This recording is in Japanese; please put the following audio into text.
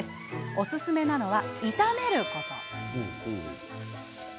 おすすめなのは炒めること。